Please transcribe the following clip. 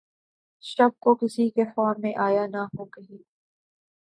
شب کو‘ کسی کے خواب میں آیا نہ ہو‘ کہیں!